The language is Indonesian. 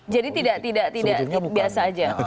jadi tidak tidak tidak biasa aja